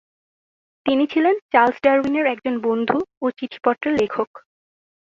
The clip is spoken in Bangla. তিনি ছিলেন চার্লস ডারউইনের একজন বন্ধু ও চিঠিপত্রের লেখক।